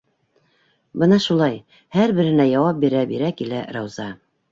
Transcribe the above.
Бына шулай һәр береһенә яуап бирә-бирә килә Рауза.